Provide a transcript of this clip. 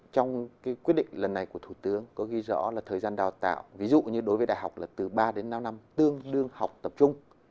trong quyết định lần này của thủ tướng có ghi rõ là thời gian đào tạo ví dụ như đối với đại học là từ ba đến năm năm tương đương học tập trung